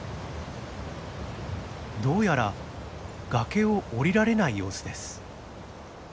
どうやら崖を下りられない様子です。